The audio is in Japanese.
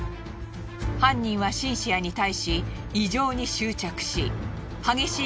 犯人はシンシアに対し異常に執着し激しい